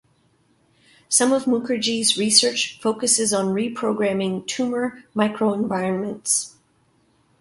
Some of Mukherjee’s research focuses on reprogramming tumor microenvironments.